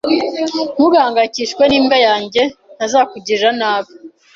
Ntugahangayikishwe n'imbwa yanjye. Ntazakugirira nabi.